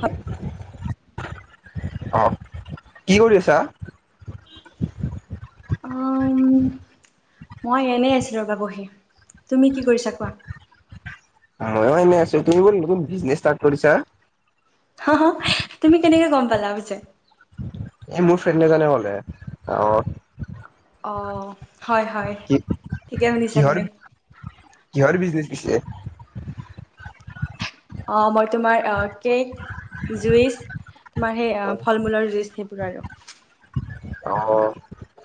হাত। অ', কি কৰি আছা? মই এনেই আছিলো ৰ'বা বহি, তুমি কি কৰিছা কোৱা? ময়ো এনেই আছোঁ, তুমি বোলে নতুন বিজনেছ ষ্টাৰ্ট কৰিছা। হ', হ' তুমি কেনেকে গম পালা পিছে? এ মোৰ ফ্ৰেণ্ড এজনে ক'লে, অ'। অ'। হয়, হয়, কি ঠিকে শুনিছা কিহৰ তুমি। [unintelligible] অ', মই তোমাৰ কেক জুছ তোমাৰ সেই ফল মূলৰ জুইচ [unintelligible] অ',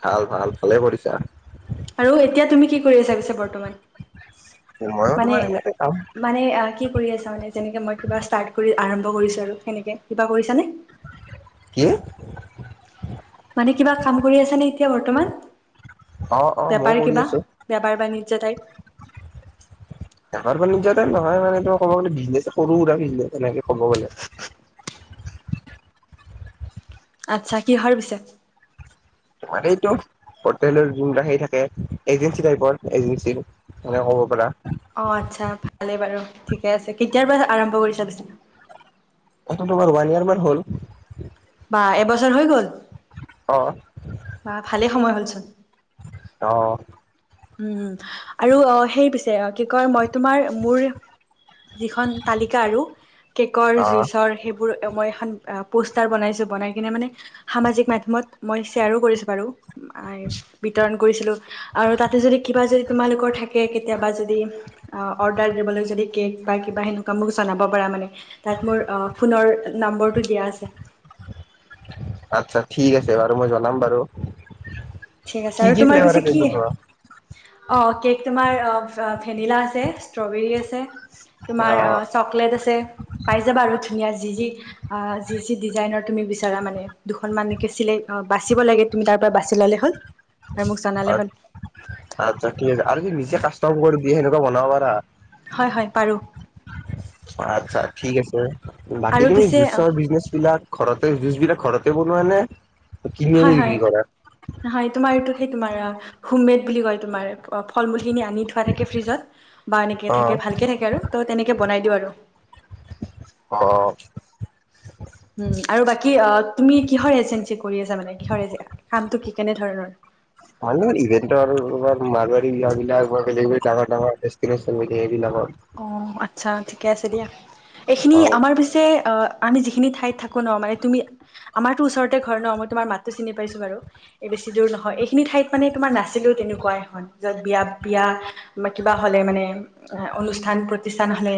ভাল ভাল ভালে কৰিছা। আৰু এতিয়া তুমি কি কৰি আছা পিছে বৰ্তমান? ময়ো মানে তোমাৰ এনেকে কাম মানে কি কৰি আছা মানে যেনেকে মই কিবা ষ্টাত কৰি আৰম্ভ কৰিছোঁ আৰু সেনেকে কিবা কৰিছানে কি? মানে কিবা কাম কৰি আছে নে এতিয়া বৰ্তমান? অ', অ', ময়ও কৰি আছো। যটাই ডাঙৰ বাণিজ্য টাইপ নহয় মানে তোমাৰ কবগলে বিজনেস সৰু সোৰা বিজনেস এনেকে ক'ব গ'লে। আচ্ছা কিহৰ পিছে? তোমাৰ এইটো হোটেলৰ সেই থাকে এজেঞ্চি টাইপৰ এজেঞ্চিৰ সেনেকে ক'ব পাৰা। অ', আচ্ছা ভালেই বাৰু ঠিকে আছে কেতিয়াৰ পৰা আৰম্ভ কৰিছা পিছে? এটো তোমাৰ ওয়ান ইয়াব় মান হ'ল। বা এবছৰ হৈ গল অ বা ভালেই সময় হ'লচোন। অ উম আৰু অ', সেই পিছে কি কয় মই তোমাৰ মোৰ যিখন তালিকা আৰু কেকৰ অ জুইচৰ সেইবোৰ মই এখন পোষ্টাৰ বনাইছো বনাই কিনে মানে সামাজিক মাধ্যমত মই শ্বেয়াৰো কৰিছো বাৰু বিতৰণ কৰিছিলো আৰু তাত তাতে যদি কিবা যদি তোমালোকৰ থাকে কেতিয়াবা যদি অৰ্ডাৰ দিবলৈ যদি কেক বা কিবা সেনেকুৱা মোক জনাব পাৰা মানে তাত মোৰ ফোনৰ নম্বৰটো দিয়া আছে। আচ্ছা ঠিক আছে বাৰু মই জনাম বাৰু ঠিক আছে কি আৰু কি তোমাৰ ফ্লেভাৰ পিছে আছে কি এইটো কোৱা? অ', কেক তোমাৰ ভেনিলা আছে ষ্ট্ৰবেৰী আছে তোমাৰ অ', চকলেট আছে। পাই যাবা আৰু ধুনীয়া যি যি অ', যি যি ডিজাইনৰ তুমি বিচাৰা মানে দুখন মানকে চিলাই অ' বাচিব লাগে তুমি তাৰ পৰা বাচি ললে হ'ল। আৰু মোক জনালে হ'ল আচ্ছা ঠিক আছে আৰু কি নিজে কাচ [unintelligible] সেনেকুৱা বনাব পাৰা? হয়-হয় পাৰো। আচ্ছা ঠিক আছে। বাকী আৰু তুমি পিছে জুচৰ বিজনেচ বিলাক ঘৰতে যুজ বিলাক ঘৰতে বনোৱা নে কিনি হয় আনি হয় বিক্ৰী কৰা। হয় তোমাৰ এইটো সেই তোমাৰ হোমেদ বুলি কয় তোমাৰ ফল মূল [unintelligible] আনি থোৱা থাকে ফ্ৰীজত বা অনেকে অ'। থাকে ভালকে থাকে আৰু ত তেনেকে বনাই দিওঁ আৰু। অ। উম আৰু বাকি অ তুমি কি হৰ এজেঞ্চি কৰি আছা মানে কিহৰ এজে কামটো কি? কেনেধৰণৰ? হই, মোৰ ইভেণ্টৰ আৰু মালগাৰি নিয়া বিলাকৰ ডেলিভাৰী ডাঙৰ ডাঙৰ দেষ্টিনেচন সেইবিলাকৰ। অ' আচ্ছা ঠিকে আছে দিয়া। এইখিনি অ', আমাৰ পিছে অ আমি যিখিন ঠাইত থাকো ন মানে তুমি আমাৰতো ওচৰতে ঘৰ নহ। মই তোমাৰ মাতো চিনি পাইছো বাৰু, বেছি দূৰ নহয়। এইখিনি ঠাইত মানে তোমাৰ নাছিলোও তেনেকুৱা এখন যত বিয়া বিয়া বা কিবা হ'লে মানে অনুষ্ঠান, প্ৰতিষ্ঠান হলে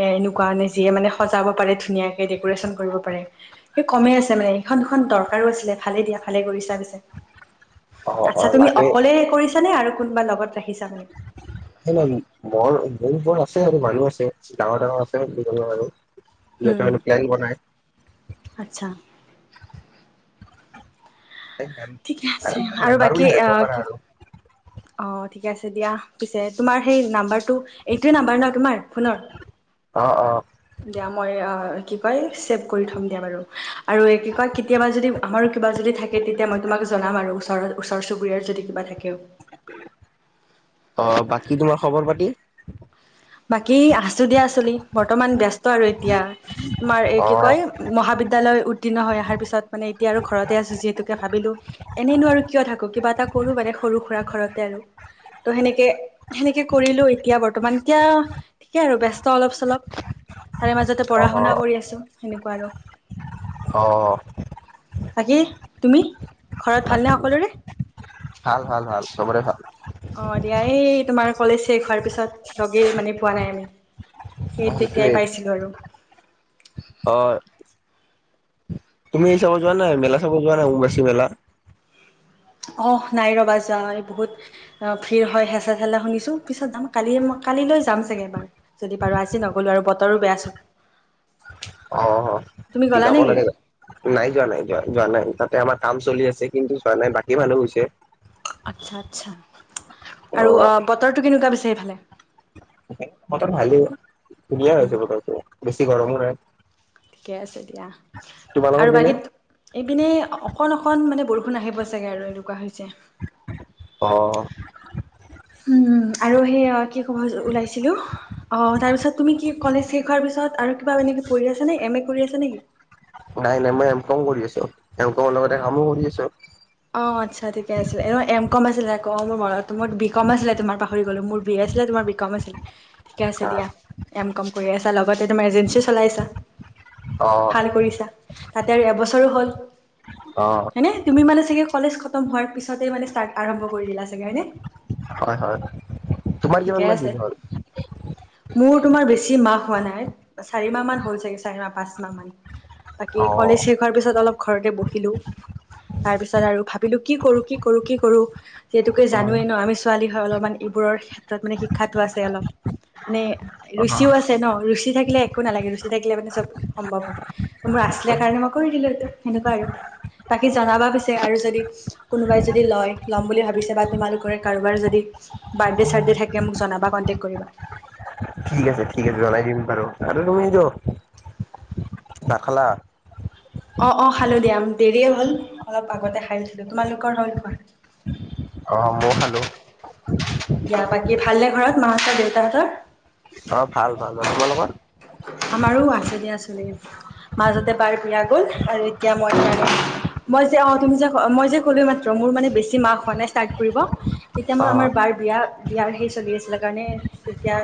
এ, এনেকুৱাানে যিয়ে মানে সজাব পাৰে ধুনীয়াকে ডেক'ৰেশচন কৰিব পাৰে। সেই কমেই আছে মানে সেইখন দুখন দৰকাৰো আছিলে। ভালে দিয়া ভালে কৰি চা পিছে। অ', আচ্ছা অ', তুমি লাগে অকলে কৰিছো নে আৰু কোনোবা লগত ৰাখিছা মানে স নাই মৰ ম বৰ আছে আৰু মানুহৰ ডাঙৰ ডাঙৰ আৰু আৰু ইহতে উম। হয় প্লেন বনাই। আচ্ছা ঠিকে আছে আৰু মেম্বাৰ বাকী বুলি ভাবিব আহ পাৰা কি আৰু। অ, 'ঠিক আছে দিয়া পিছে তোমাৰ সেই নাম্বাৰ এইটো নাম্বাৰ ন তোমাৰ ফোনৰ অ', অ'। দিয়া মই কি কয়? ছেভ কৰি থম দিয়া বাৰু আৰু, এই কি কৈ কেতিয়াবা যদি আমাৰো কিবা যদি থাকে তেতিয়া মই তোমাক জনাম আৰু ওচৰত। ওচৰ চুবুৰীয়াৰ যদি কিবা থাকে অ, 'বাকী তোমাৰ খবৰ পাতি? বাকী আছোঁ দিয়া চলি বৰ্তমান ব্যস্ত আৰু এতিয়া। তোমাৰ এই অ কি কয় মহাবিদ্যালয় উতীৰ্ণ হৈ অহাৰ পিছত মানে, এতিয়া আৰু ঘৰতে আছো যিহেতুকে ভাবিলোঁ এনেই নোৱাৰো কিয় থাকো কিবা এটা কৰো মানে সৰু সুৰা ঘৰতে আৰু, ত সেনেকে সেনেকে কৰিলো। এতিয়া বৰ্তমান এতিয়া ঠিকে আৰু ব্যস্ত অলপ চলপ। তাৰে মাজতে পঢ়া অ শুনা কৰি আছো। সেনেকুৱা আৰু। অঁ। বাকি তুমি ঘৰত ভালনে বাকী সকলোৰে? ভাল ভাল ভাল চবৰে ভাল। অ, 'দিয়া এই তোমাৰ কলেজ শেষ হোৱাৰ পিছত লগে মানে পোৱা নাই আমি। অ সেই, যেতিয়াই সেইটোৱে পাইছিলো আৰু। অ। তুমি এই চাবত যোৱা নাই মেলা চাবত যোৱা নাই উমবুবাছি মেলা অহ নাই ৰবা যোৱা বহুত ভিৰ হয় হেঁচা ঠেলা শুনিছো পিছত যাম কালি কালিলৈ যাম চাগে এবাৰ যদি বাৰু আজি নগলো আৰু বতৰো বেয়া ছোন অ যাব লাগে নাই যোৱা নাই যোৱা যোৱা নাই তাত আমাৰ কাম চলি আছে কিন্তু চোৱা নাই বাকী মানুহ হৈছে আচ্ছা আছা অ আৰু বতৰটো কেনেকুৱা পিছে সেইফালে বতৰ ভালেই ধুনীয়া হৈছে উম বতৰতো বেছি গৰমো নাই এয়া তোমালোকৰ আৰু পিনে? বাকীত এইপিনে অকণ অকণ মানে বৰষুণ আহিব চাগে আৰু এনেকুৱা হৈছে অ হম আৰু সেই কি কব ওলাইছিলো অ তাৰ পিছত তুমি কি কলেজ শেষ হোৱাৰ পিছত আৰু কিবা এনে পঢ়ি আছে নে এম এ কৰি আছা নেকি নাই নাই মই এম কং কৰি আছো এম কঙৰ লগতে কামো কৰি আছে অ আচ্ছা ঠিকে আছিলে এম কম আছিলে আকৌ মোৰ মনত বি কম আছিলে তোমাৰ পাহৰি গলো মোৰ বি এ আছিলে তোমাৰ বি কম আছিলে ঠিকে আছে দিয়া এম কম কৰি আছা লগতে তোমাৰ এজেঞ্চি চলাই আছা অ ভাল কৰিছা তাতে আৰু এবছৰো হ'ল অঁ হয়নে তুমি মানে ঠিক কলেজ খতম হোৱাৰ পিছতে মানে ষ্টাৰ্ট আৰম্ভ কৰি দিলা চাগে হয়নে হয় হয় তোমাৰ ঠিকে কিমান মান আছে দিন হ'ল মোৰ তোমাৰ বেছি মাহ হোৱা নাই চাৰি মাহ মান হ'ল চাগে চাৰি মাহ পাঁচ মাহ মান বাকী অ কলেজ শেষ হোৱাৰ পিছত অলপ ঘৰতে বহিলো তাৰপিছত আৰু ভাবিলো কি কৰো কি কৰো কি কৰো যিহেতুোকে জানোৱেই ন আমি ছোৱালী হয় অলপমান এইবোৰৰ ক্ষেত্ৰত মানে শিক্ষাটো আছে অলপ মানে অ ৰুচিও আছে ন ৰুচি থাকিলে একো নালাগে ৰুচি থাকিলে মানে চব সম্ভৱ হয় ত মোৰ আছিলে কাৰণে মই কৰি দিলো এইটো সেনেকুৱা আৰু বাকী জনাবা পছি যে আৰু যদি কোনোবাই যদি লয় লয় বুলি ভাবিছে বা তোমালোকৰে কাৰোবাৰ যদি বাৰ্দে চাৰ্দে থাকে মোক জনাবা কনক্টে কৰিবা ঠিক আছে ঠিক আছে জনাই দিম বাৰু আৰু তুমি তো নাখালা অ অ খালো দিয়া দেৰিয়ে হ'ল অলপ আগতে খাই লৈছিলো তোমালোকৰ হল খোৱা অ মইও খালো দিয়া বাকী ভালনে ঘৰত মাহঁতৰ দেউতাহঁতৰ অ ভাল ভাল আৰু তোমালোকৰ আমাৰো আছে দিয়া ছলী মাজতে বাৰ বিয়া গল আৰু এতিয়া মই যে মই যে অ তুমি যে মই যে কলো মাত্ৰ মোৰ মানে বেছি মাক হোৱা নাই হ ইট্ৰাট কৰিব তেতিয়া মই অ আমাৰ বাৰ বিয়া বিয়াৰ সেই চলি আছিলে কাৰণে তেতিয়া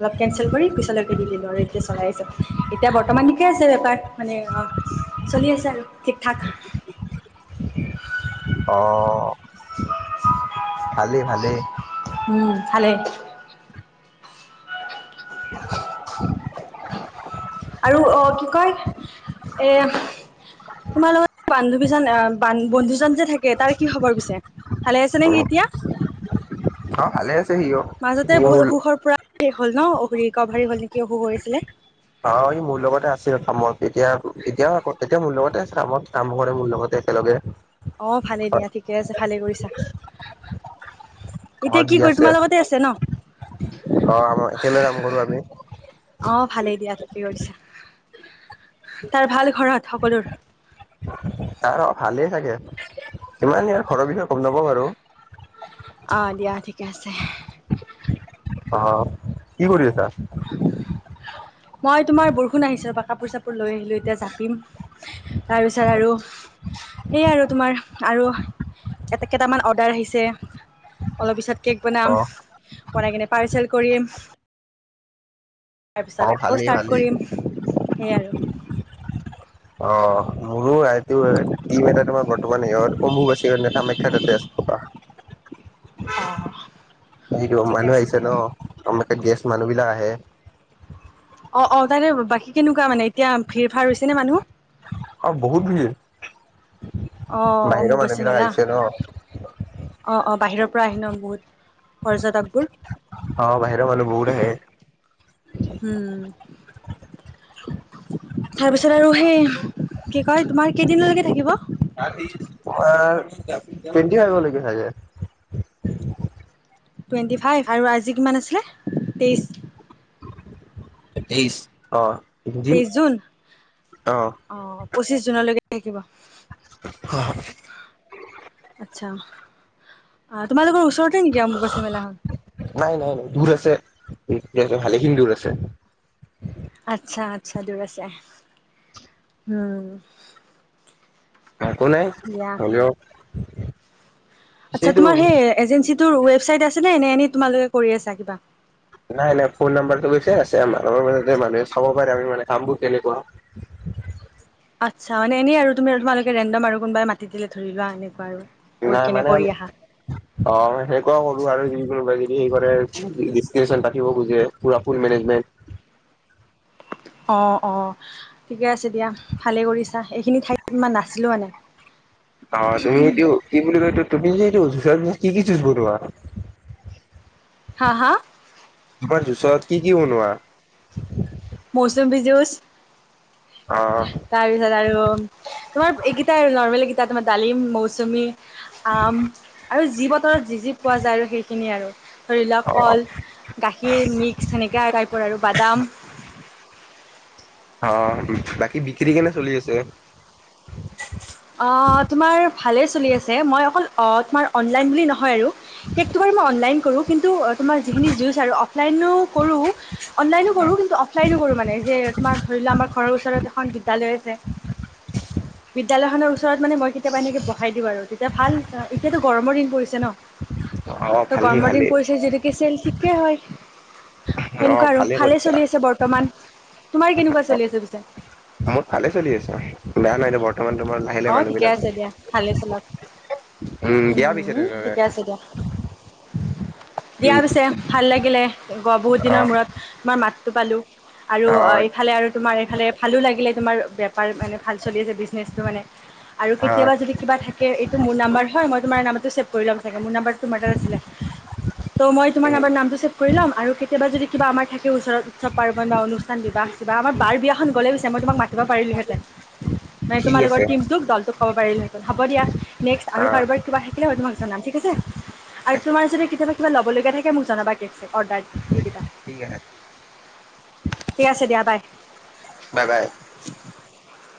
অলপ কেনচেল কৰি পিছলৈকে দি দিলো আৰু এ চলাই আহিছে এতিয়া বৰ্তমান ঠিকে আছে বেপাৰ মানে অ চলি আছে আৰু ঠিক ঠাক অ ভালেই ভালেই [unintelligible] উম ভালে আৰু অ কি কয় এ তোমাৰ লগত বান্ধৱীজন আহ বন্ধুজন যে থাকে তাৰ কি খবৰ পিছে ভালে আছে নে সি এতিয়া অ ভালে আ মাজতে বহুত অসুখৰ পৰা হ'ল ন অহৰি গা ভাৰি হল নেকি অসুখ হৈ পেলে অ ই মোৰ লগতে আছিল কামত এতিয়া এতিয়াও আ এতিয়া মোৰ লগতে কামত কাম কৰে মোৰ লগতে একেলগে অ ভালে দিয়া ঠিকে আছে ভালে কৰিছা ঘৰত এতিয়া কি বিয়া কৰি তোমাৰ লগতে আছে ন ছেছ অ আম একেলৈ কাম কৰো আমি অ ভালেই দিয়া ঠিক কি কৰিছা তাৰ ভাল ঘৰত সকলোৰ তাৰ অ ভালেই চাগে ইমান আওঁ ঘৰৰ বিষয়ে গম নাপওঁ বাৰু অহ দিয়া। ঠিকে আছে। অ' কি কৰি আছা? মই তোমাৰ বৰষুণ আহিছে ৰবা, কাপোৰ-চাপোৰ লৈ আহিলো এতিয়া। জাপিম। তাৰপিছত আৰু সেই আৰু তোমাৰ, আৰু এটা কেইটামান অৰ্ডাৰ আহিছে। অলপ পিছত কেক অ বনাম। বনাই কেনে পাৰ্চেল কৰিম। অ তাৰপিছত আকৌ ভালেই ষ্টাৰ্ট ভালেই কৰিম। সেয়াই আৰু অ' মোৰো আইটোৰ টিম এটা তোমাৰ বৰ্তমান, ইহঁত অমুক আছে। -কামাখ্যা তাতে আছে ৰ'বা। অ'হ সেইটো মানুহ আহিছে ন? আমাতে গেষ্ট মানুহ বিলাক আহে। অ' অ'। তাতে বাকী কেনেকুৱা মানে এতিয়া ভিৰ -ভাৰ হৈছে নে মানুহ? অ বহুত ভিৰ। অ বাহিৰৰ মানুহবিলাক আহিছে ন। অ'হ অ'হ বাহিৰৰ পৰা আহি ন বহুত। পৰ্যটকবোৰ, অ বাহিৰৰ মানুহ বহুত আহে। উম। তাৰপিছত আৰু সেই কি কয়, তোমাৰ কেইদিনলৈকে থাকিব? অহ তোমাৰ টুৱেন্টি ফাইভলৈকে থাকে। টুৱেণ্টি ফাইভ, আৰু আজি কিমান আছিলে তেইছ তেইছ অ'হ। তেইশ জুন। অহ। পঁচিশ জুনলৈকে থাকিব। আচ্ছা আহ তোমালোকৰ ওচৰতে নেকি আম্বুবাচী মেলাখন? নাই। নাই। নাই। দূৰ আছে। ভালেখিনি দূৰ আছে। আচ্ছা। আচ্ছা। দূৰ আছে। উম। একো নাই। দিয়া হ'লেও আচ্ছা। সেইটো তোমাৰ সেই এজেন্সিত টোৰ ৱেবচাইট আছে নে? নে এনেই তোমালোকে কৰি আছা কিবা? নাই। নাই। ফোন নাম্বাৰটো সৈতে আছে আমাৰ। আমাৰ মানে মানুহে চাব পাৰে, আমি মানে কামবোৰ কেনেকুৱা আচ্ছা মানে এনেই আৰু তুমি তোমালোকে ৰেণ্ডম আৰু, কোনোবাই মাতি দিলে, ধৰি লোৱা এনেকুৱা আৰু গৈ নাই কেনে মানে। কৰি আমি আহা অ সেইকুৱা কৰো আৰু যি কোনোবাই যদি হি কৰে [unintelligible] পাতিব খোজে, পুৰা ফোল মেনেজমেন্ট অঁ'হ অ'হ। ঠিকে আছে দিয়া। ভালেই কৰিছা। এইখিনি ঠাইতমান মই নাছিলোঁ মানে। অ তুমিটো কি বুলি কৈতো তুমি [unintelligible] কি কি চুচব তোমাক। হা -হা তোমাৰ জোচত কি কি বনোৱা? মৌচম্বী জোচ। অ তাৰ পিছত আৰু তোমাৰ এইকেইটা আৰু নৰ্মেল তাত মই ডালিম 'মৌচমী আম আৰু যি বতৰত যি-যি পোৱা যায় আৰু সেইখিনিয়ে আৰু। ধৰি লওক অ কল গাখীৰ মিক্স সেনেকা টাইপৰ আৰু বাদাম। অ' বাকী বিক্ৰী কেনে চলি আছে? অ' তোমাৰ ভালেই চলি আছে মই অকল তোমাৰ অনলাইন বুলি নহয় আৰু। টো বাৰু মই অনলাইন কৰো কিন্তু। তোমাৰ যিখিনি জুজ আৰু অফলাইনো কৰো অনলাইনো কৰোঁ কিন্তু অফলাইনো কৰোঁ মানে যে তোমাৰ ধৰি লোৱা আমাৰ ঘৰৰ ওচৰত এখন বিদ্যালয় আছে। তেতিয়া হলে ওচৰ ওচৰত মে মই কেতিয়াবা এনেক বহাই দিওঁ আৰু তেতিয়া ভাল এতিাতো, গৰমৰ দিন পৰিছে ন। অ ত ভালেই গমদিন ভালেই পৰিচে যদি কি চেল। কে হয় অ সেনেকুৱা আৰু ভালে কৰিছা চলি আছে বৰ্তমান তোমাৰ কেনেকুৱা অ চলি আছে পিছে। মোৰ ভালে চলি আছে বেয়া নহয় নে বৰ তাৰ তোমাৰ লাহিলে অ', মানুহ ঠিকে বিলাক উম, আছে দিয়া ভালে চলক বিয়া পিছে উম ঠিকে আছে দিয়া তেনেহ'লে দিয়া উম পিছে ভাল লাগিলে গ বহুত অ দিনৰ মূৰত তোমাৰ মাত তটো পালো আৰু অ এইফালে আৰু তোমাৰ এইফালে ভালো লাগিলে তোমাৰ ব পাৰ মানে ভাল চলি আছে বিজনেছটো মানে আৰু অ কেতিয়াবা যদি কিবা থাকে এইটো মোৰ নাম্বাৰ হয় মই তোমাৰ নাম ছেভ কৰি ল'ম চাগে মোৰ নাম্বাৰটো তোমাৰ তাত আছিলে ত' মই তোমাৰ নাম্ব নামটো ছেভ কৰি ল'ম আৰু কেতিয়াবা যদি কিবা আমাৰ থাকে ওচৰতৎস পাৰ্বণ বা অনুষ্ঠান বিবাহ আ বা আমাৰ বাৰ বিয়াখন গ'লেইিচ মই তোমাক মাতি পাৰিলোঁহেঁতেন। মানে ঠিক তোমালোকৰ আছে টমটোক দলটো ক' পাৰিলে। হ'ব দিয়া। নেক্স অ আৰু কাৰোবাৰ কিবা থাকিলে তুমাক জনাম ঠিক আছে ঠিক আৰু আছে তোমাৰ যদি কেতিয়াবা কিবা ল'ল লগগীয়া থাকে মোক জনাবা কেক চেক। অৰ্ডাৰ দি দিবা ঠিক আছে ঠিক আছে দিয়া বাই। Bye bye